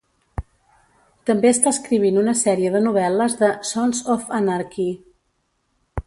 També està escrivint una sèrie de novel·les de "Sons of Anarchy".